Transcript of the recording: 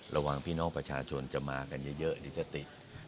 ระวังพี่น้องประชาชนจะมากันเยอะเดี๋ยวจะติด